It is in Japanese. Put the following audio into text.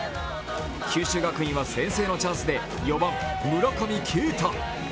九州学院は先制のチャンスで４番・村上慶太。